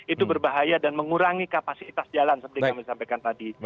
itu berbahaya dan mengurangi kapasitas jalan seperti yang disampaikan tadi